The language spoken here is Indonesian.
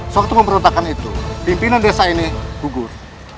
saat pemberontakan itu pimpinan desa ini hugur